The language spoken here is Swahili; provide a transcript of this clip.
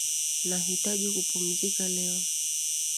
Nahitaji kupumzika leo.